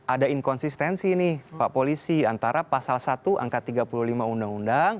ada inkonsistensi nih pak polisi antara pasal satu angka tiga puluh lima undang undang